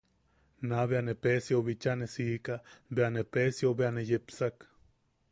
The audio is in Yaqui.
Naa bea ne Peesiou bicha ne siika, bea ne Peesiou bea ne yepsak.